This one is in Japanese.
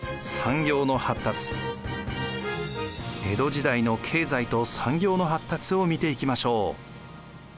江戸時代の経済と産業の発達を見ていきましょう。